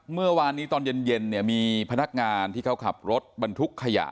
เมื่อวานนี้ตอนเย็นเนี่ยมีพนักงานที่เขาขับรถบรรทุกขยะ